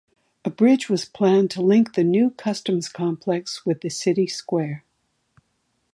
A bridge was planned to link the new customs complex with the city square.